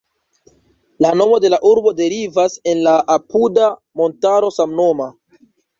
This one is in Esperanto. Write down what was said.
La nomo de la urbo derivas el la apuda montaro samnoma.